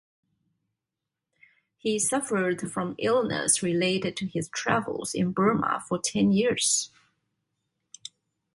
He suffered from illness related to his travels in Burma for ten years.